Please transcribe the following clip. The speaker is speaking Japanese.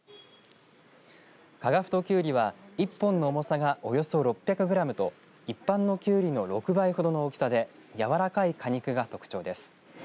加賀太きゅうりは一本の重さがおよそ６００グラムと一般のきゅうりの６倍ほどの大きさで柔らかい果肉が特徴です。